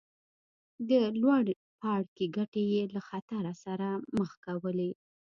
د لوړ پاړکي ګټې یې له خطر سره مخ کولې.